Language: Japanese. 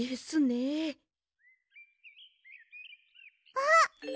あっ！